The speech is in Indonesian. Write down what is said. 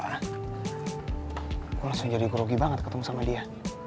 reva gue langsung jadi grogi banget ketemu sama dia